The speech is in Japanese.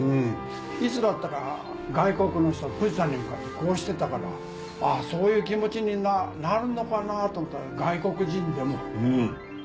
いつだったか外国の人が富士山に向かってこうしてたからそういう気持ちになるのかなと思った外国人でも。